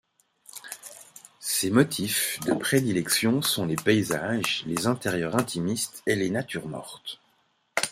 Ses motifs de prédilection sont les paysages, les intérieurs intimistes et les natures mortes.